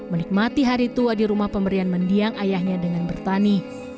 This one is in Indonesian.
menikmati hari tua di rumah pemberian mendiang ayahnya dengan bertani